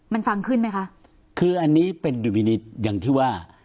มันฟังขึ้นไหมคะคืออันนี้เป็นดุมินิตอย่างที่ว่า